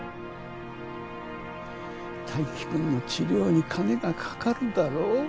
泰生君の治療に金がかかるだろ？